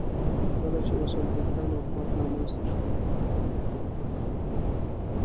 کله چې د سلجوقیانو حکومت رامنځته شو.